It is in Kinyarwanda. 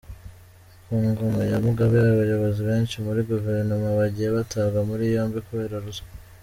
Ku ngoma ya Mugabe, abayobozi benshi muri Guverinoma bagiye batabwa muri yombi kubera ruswa.